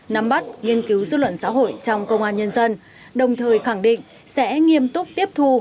nắm bắt nghiên cứu dư luận xã hội trong công an nhân dân đồng thời khẳng định sẽ nghiêm túc tiếp thu